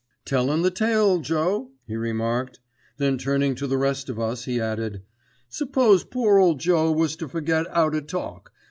"Tellin' the tale, Joe," he remarked. Then turning to the rest of us he added, "Suppose poor old Joe was to forget 'ow to talk.